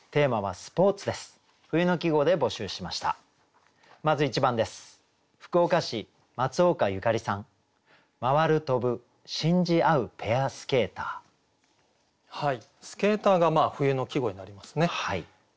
「スケーター」が冬の季語になりますね。